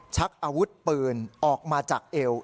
ชักอาวุธปืนออกมาจากเอว